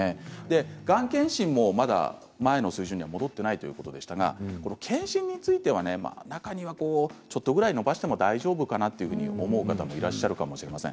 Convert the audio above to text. がん検診もまだ前の水準に戻っていないということでしたが検診については中にはちょっとぐらい延ばしても大丈夫かなというふうに思う方もいらっしゃるかもしれません。